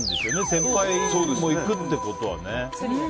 先輩も行くってことはね。